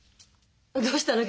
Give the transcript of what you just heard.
どうしたの？